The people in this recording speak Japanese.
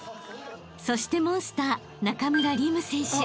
［そしてモンスター中村輪夢選手］